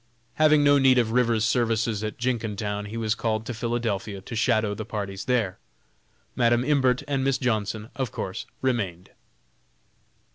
Having no need of Rivers's services at Jenkintown, he was called to Philadelphia, to "shadow" the parties there. Madam Imbert and Miss Johnson of course remained.